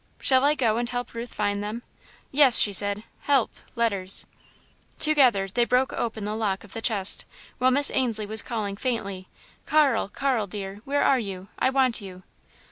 "Shall I go and help Ruth find them?" "Yes," she said, "help letters." Together, they broke open the lock of the chest, while Miss Ainslie was calling, faintly: "Carl, Carl, dear! Where are you? I want you!"